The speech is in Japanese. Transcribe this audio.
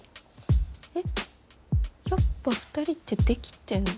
えっやっぱ２人ってデキてんの？